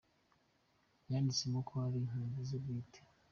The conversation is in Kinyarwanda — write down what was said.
yanditsemo ko ari impanzu ze bwite".